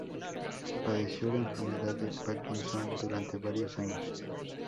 Padeció la enfermedad de Parkinson durante varios años.